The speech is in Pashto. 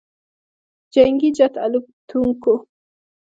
جنګي جت الوتکو